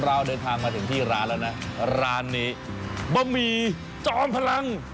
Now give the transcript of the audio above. เราเดินทางมาถึงที่ร้านแล้วนะร้านนี้บะหมี่จอมพลัง